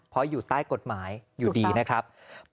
เพราะอยู่ใต้กฎหมายอยู่ดีนะครับ